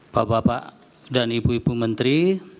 bapak bapak dan ibu ibu menteri